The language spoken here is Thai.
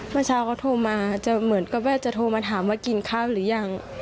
เมื่อเช้าเขาโทรมาจะเหมือนกับว่าจะโทรมาถามว่ากินข้าวหรือยัง